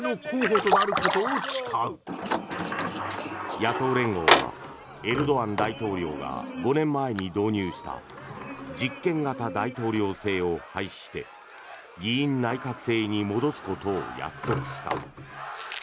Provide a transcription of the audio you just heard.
野党連合はエルドアン大統領が５年前に導入した実権型大統領制を廃止して議院内閣制に戻すことを約束した。